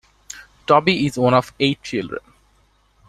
Toby is one of eight children.